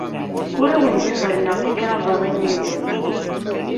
Ur awen-d-ferrneɣ tikrabaḍin-nwen.